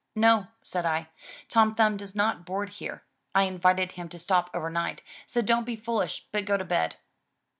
"No," said I, "Tom Thumb does not board here. I invited him to stop over night, so don't be foolish but go to bed.''